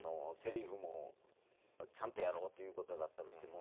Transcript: セリフもちゃんとやろうという事だったんですけども。